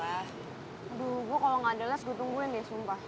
aduh gue kalau gak ada les gue tungguin deh sumpah